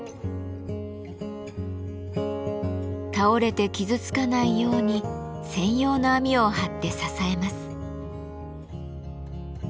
倒れて傷つかないように専用の網を張って支えます。